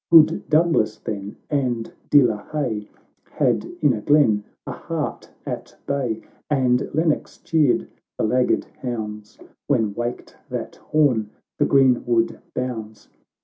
Good Douglas then, and De la Haye, Had in a glen a hart at bay, And Lennox cheered the laggard hounds, When waked that horn the green wood bounds.